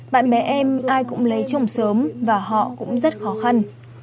bạn bè em ai cũng lấy chồng sớm và họ cũng rất khó khăn